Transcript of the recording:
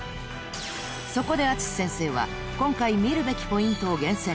［そこで淳先生は今回見るべきポイントを厳選］